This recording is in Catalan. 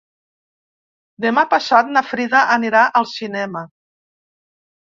Demà passat na Frida anirà al cinema.